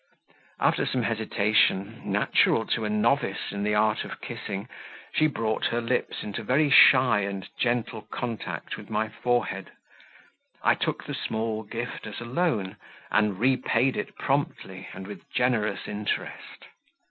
After some hesitation, natural to a novice in the art of kissing, she brought her lips into very shy and gentle contact with my forehead; I took the small gift as a loan, and repaid it promptly, and with generous interest.